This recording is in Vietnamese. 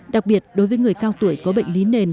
đặc biệt đối với người cao tuổi có bệnh lý nền